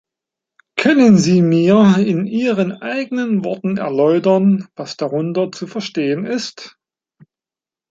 Können Sie mir in Ihren eigenen Worten erläutern, was darunter zu verstehen ist?